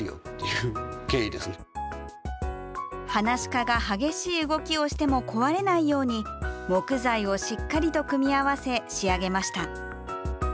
噺家が激しい動きをしても壊れないように木材をしっかりと組み合わせ仕上げました。